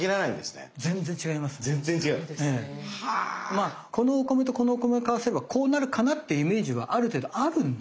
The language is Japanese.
まあこのお米とこのお米を交わせばこうなるかなっていうイメージはある程度あるんですよ。